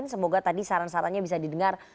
semoga tadi saran sarannya bisa didengar